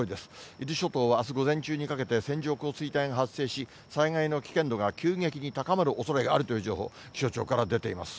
伊豆諸島はあす午前中にかけて線状降水帯が発生し、災害の危険度が急激に高まるおそれがあるという情報、気象庁から出ています。